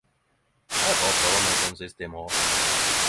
Eg får prøve meg på den siste i morgon.